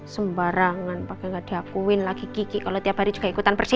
sembarangan pake gak diakuin lagi kiki kalo tiap hari juga ikutan bersihin